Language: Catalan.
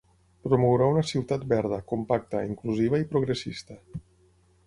Promourà una ciutat verda, compacta, inclusiva i progressista.